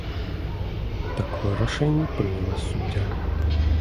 Такое рашэнне прыняла суддзя.